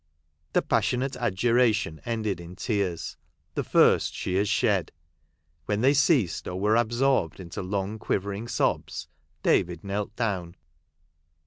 The passionate adjuration ended in tears — the first she had shed. When they ceased, or were absorbed into long quivering sobs, David knelt down.